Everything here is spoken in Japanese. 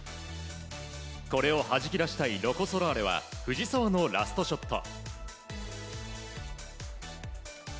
これをはじき出したいロコ・ソラーレは藤澤のラストショット。